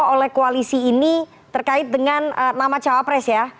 oleh koalisi ini terkait dengan nama cawapres ya